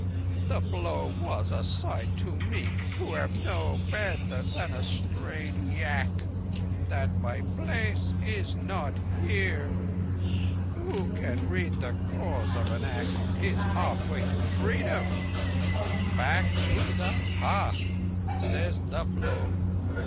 The blow was a sign to me, who am no better than a strayed yak, that my place is not here. Who can read the Cause of an act is halfway to Freedom! 'Back to the path,' says the Blow.